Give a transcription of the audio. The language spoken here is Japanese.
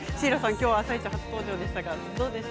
今日は「あさイチ」初登場でしたね。